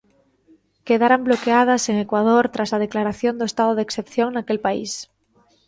Quedaran bloqueadas en Ecuador tras a declaración do estado de excepción naquel país.